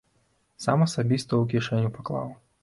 Сам асабіста ў кішэню паклаў.